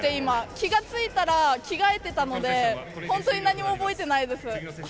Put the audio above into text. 気が付いたら、着替えてたので、本当に何も覚えてないです。